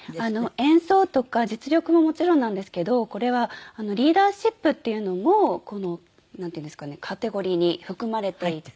演奏とか実力ももちろんなんですけどこれはリーダーシップっていうのもなんていうんですかねカテゴリーに含まれていて。